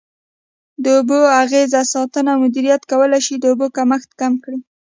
د اوبو اغیزمنه ساتنه او مدیریت کولای شي د اوبو کمښت کم کړي.